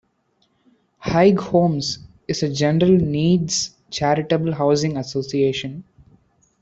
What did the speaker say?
Haig Homes is a general needs charitable housing association.